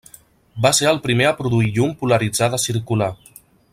Va ser el primer a produir llum polaritzada circular.